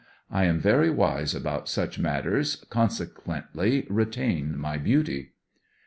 I am very wise about such matters, consequently retain my beauty.